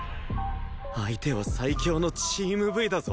相手は最強のチーム Ｖ だぞ